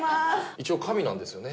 一応神なんですよね？